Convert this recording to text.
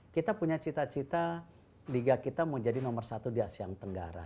kita punya cita cita liga kita mau jadi nomor satu di asean tenggara